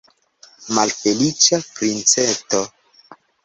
Malfeliĉa princeto!